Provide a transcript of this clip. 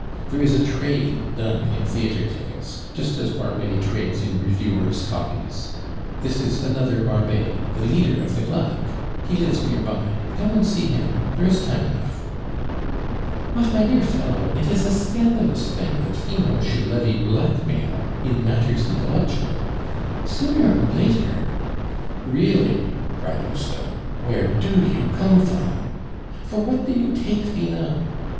There is a trade done in theatre tickets, just as Barbet trades in reviewers' copies. This is another Barbet, the leader of the claque. He lives near by; come and see him, there is time enough." "But, my dear fellow, it is a scandalous thing that Finot should levy blackmail in matters intellectual. Sooner or later " "Really!" cried Lousteau, "where do you come from? For what do you take Finot?